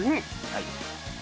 はい。